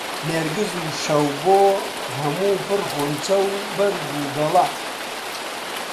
نێرگس و شەوبۆ هەموو پڕ غونچە و بەرگ و گەڵا